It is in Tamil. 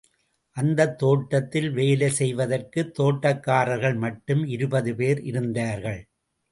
அந்தத் தோட்டத்தில் வேலைசெய்வதற்குத் தோட்டக்காரர்கள் மட்டும் இருபதுபேர் இருந்தார்கள்!